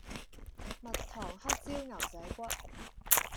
蜜糖黑椒牛仔骨